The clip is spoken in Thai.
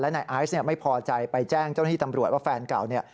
และนายอายซ์ไม่พอใจไปแจ้งเจ้าหน้าที่ตำรวจว่าแฟนเก่า